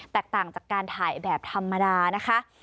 ต่างจากการถ่ายแบบธรรมดานะคะ